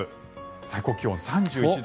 最高気温３１度。